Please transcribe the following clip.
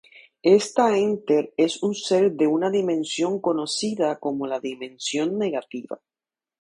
Esta enter es un ser de una dimensión conocida como la Dimensión negativa.